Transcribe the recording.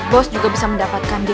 bos juga bisa mendapatkan